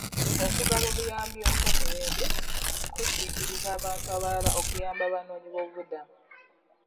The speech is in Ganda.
Okugaba obuyambi okw'emirembe kusikiriza abantu abalala okuyamba abanoonyi b'obubuddamu.